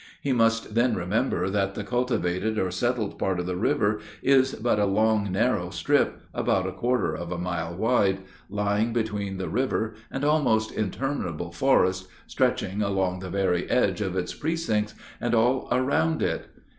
He must then remember that the cultivated or settled part of the river is but a long, narrow strip, about a quarter of a mile wide, lying between the river and almost interminable forests, stretching along the very edge of its precints and all around it.